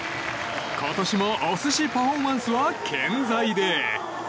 今年もお寿司パフォーマンスは健在で。